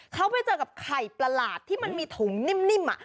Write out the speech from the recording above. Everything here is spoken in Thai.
เขาไปเจอกับไข่ประหลาดที่มันมีถุงนิ่ม